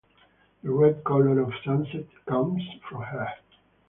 The red colour of sunset comes from her.